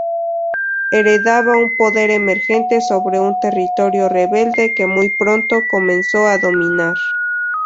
Heredaba un poder emergente sobre un territorio rebelde, que muy pronto comenzó a dominar.